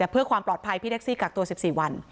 เพื่อความปลอดภัยพี่แท็กซี่กักตัว๑๔วัน